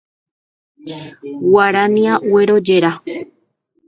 Guarania guerojera.